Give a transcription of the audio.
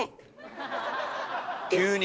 急に！